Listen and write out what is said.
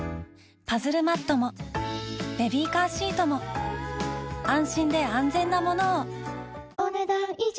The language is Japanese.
パズルマットもベビーカーシートも安心で安全なものをお、ねだん以上。